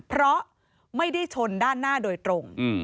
เพราะไม่ได้ชนด้านหน้าโดยตรง